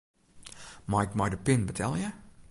Mei ik mei de pin betelje?